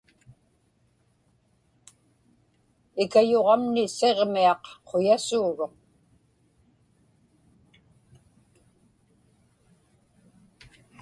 Ikayuġamni Siġmiaq quyasuuruq.